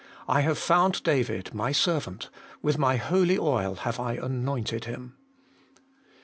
I have found David, my servant ; with my holy oil have I anointed him.'